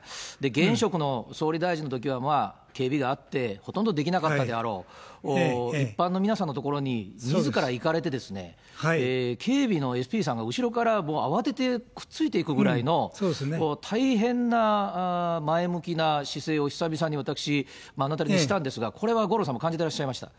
現職の総理大臣のときはまあ、警備があって、ほとんどできなかったであろう、一般の皆さんの所にみずから行かれて、警備のＳＰさんが後ろから慌ててくっついていくぐらいの、大変な前向きな姿勢を久々に私、目の当たりにしたんですが、これは五郎さんも感じてらっしゃいました？